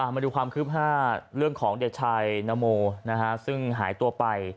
มาดูความคืบหน้าเรื่องของเด็กชายนโมซึ่งหายตัวไป